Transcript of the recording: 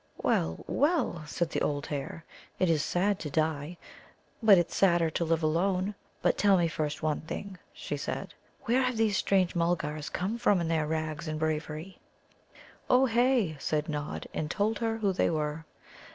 "Well, well," said the old hare, "it's sad to die, but it's sadder to live alone. But tell me first one thing," she said. "Where have these strange Mulgars come from in their rags and bravery?" "Ohé," said Nod, and told her who they were.